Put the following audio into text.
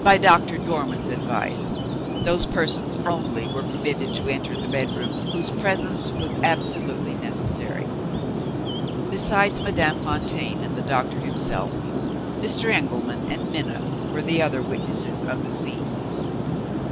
By Doctor Dormann's advice, those persons only were permitted to enter the bedroom whose presence was absolutely necessary. Besides Madame Fontaine and the doctor himself, Mr. Engelman and Minna were the other witnesses of the scene.